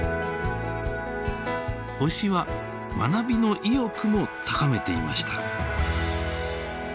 推しは学びの意欲も高めていました。